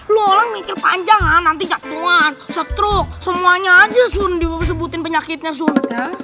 lo orang mikir panjang kan nanti jatuhan stroke semuanya aja sundi mau disebutin penyakitnya sunda